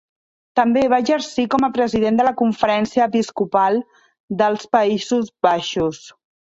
També va exercir com a President de la Conferència Episcopal dels Països Baixos.